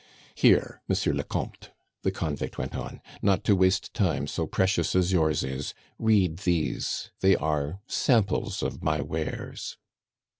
Here, Monsieur le Comte," the convict went on, "not to waste time so precious as yours is, read these they are samples of my wares."